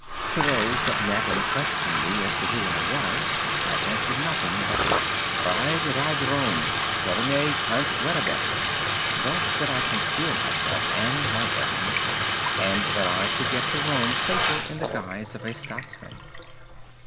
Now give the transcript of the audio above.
To those that met and questioned me as to who I was, I answered nothing, but, "Ride ride Rome, turne Cantwereberei." This did I to conceal myself and my errand, and that I should get to Rome safer in the guise of a Scotchman.